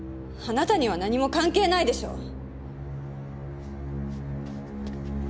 あなたには何も関係ないでしょ！